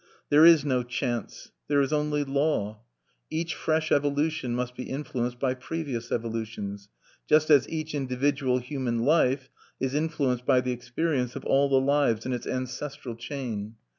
There is no chance. There is only law. Each fresh evolution must be influenced by previous evolutions, just as each individual human life is influenced by the experience of all the lives in its ancestral chain.